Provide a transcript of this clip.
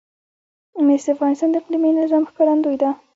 مس د افغانستان د اقلیمي نظام ښکارندوی ده.